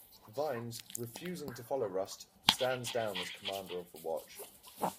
Vimes, refusing to follow Rust, stands down as Commander of the Watch.